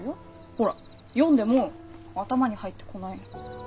ほら読んでも頭に入ってこないの。